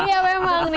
iya memang nih